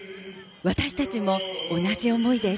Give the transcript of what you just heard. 私たちも同じ思いです。